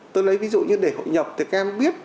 tôi lấy ví dụ như để hội nhập thì các em biết